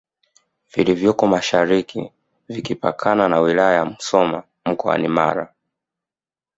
vilivyoko mashariki vikipakana na wilaya ya Musoma mkoani Mara